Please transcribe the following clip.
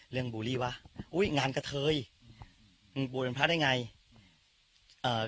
เรื่องบูรีไว้อุ้ยงานกะเทยอือบูร์เป็นพระได้ไงอ่า